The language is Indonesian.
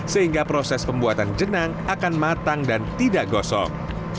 sehingga proses pembuatan jenang akan matang dan tidak gosong